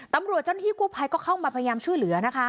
ตำรวจจ้อนที่โครงไพรก็เข้ามาพยายามช่วยเหลือ